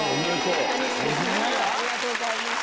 ありがとうございます。